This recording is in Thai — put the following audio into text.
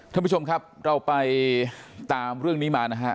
ท่านผู้ชมครับเราไปตามเรื่องนี้มานะฮะ